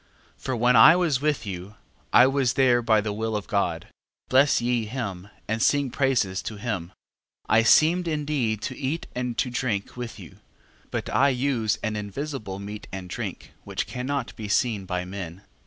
12:18. For when I was with you, I was there by the will of God: bless ye him, and sing praises to him. 12:19. I seemed indeed to eat and to drink with you but I use an invisible meat and drink, which cannot be seen by men.